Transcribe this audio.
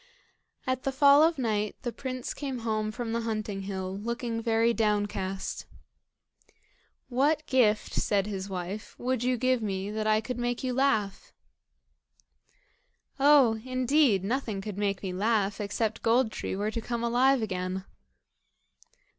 At the fall of night the prince came home from the hunting hill, looking very downcast. "What gift," said his wife, "would you give me that I could make you laugh?" "Oh! indeed, nothing could make me laugh, except Gold tree were to come alive again."